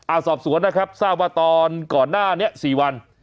สอบสวนนะครับทราบว่าตอนก่อนหน้านี้สี่วัน